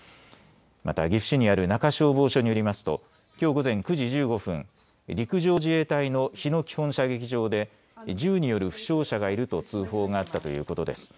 また岐阜市にある中消防署によりますと、きょう午前９時１５分、陸上自衛隊の日野基本射撃場で銃による負傷者がいると通報があったということです。